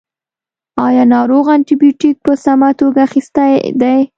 ایا ناروغ انټي بیوټیک په سمه توګه اخیستی دی.